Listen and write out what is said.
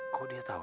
kok dia tahu